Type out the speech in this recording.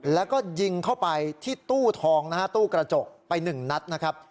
แล้วก็ยิงเข้าไปที่ตู้ทองนะฮะตู้กระจกไปหนึ่งนัดนะครับ